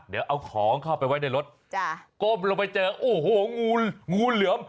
เดี๋ยวเอาของเข้าไปไว้ในรถก้มลงไปเจอโอ้โหงูงูเหลือม